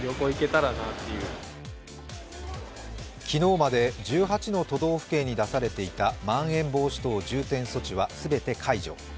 昨日まで１８の都道府県に出されていたまん延防止等重点措置は全て解除。